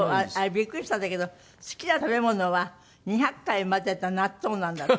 ビックリしたんだけど好きな食べ物は２００回混ぜた納豆なんだって？